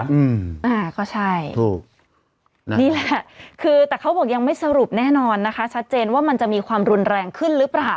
อืมอ่าก็ใช่ถูกนี่แหละคือแต่เขาบอกยังไม่สรุปแน่นอนนะคะชัดเจนว่ามันจะมีความรุนแรงขึ้นหรือเปล่า